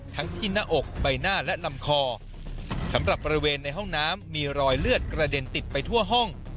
ทั้งที่หน้าอกใบหน้าและลำคอสำหรับบริเวณในห้องน้ำมีรอยเลือดกระเด็นติดไปทั่วห้อง